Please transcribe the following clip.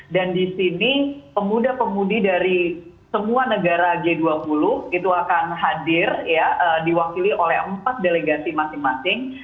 dan di sini pemuda pemudi dari semua negara g dua puluh itu akan hadir ya diwakili oleh empat delegasi masing masing